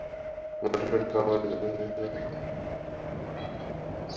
মটরশুটি কামড় দিয়ে দাঁত ভেঙ্গে ফেলো না যেন।